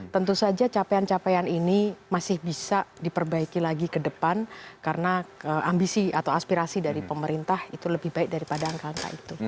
tentu saja capaian capaian ini masih bisa diperbaiki lagi ke depan karena ambisi atau aspirasi dari pemerintah itu lebih baik daripada angka angka itu